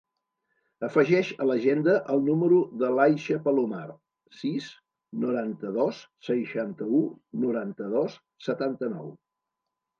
Afegeix a l'agenda el número de l'Aixa Palomar: sis, noranta-dos, seixanta-u, noranta-dos, setanta-nou.